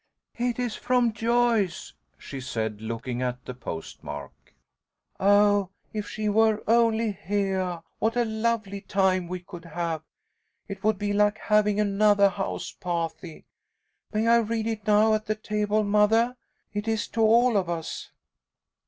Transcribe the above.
"It is from Joyce," she said, looking at the post mark. "Oh, if she were only heah, what a lovely time we could have! It would be like havin' anothah house pahty. May I read it now at the table, mothah? It is to all of us."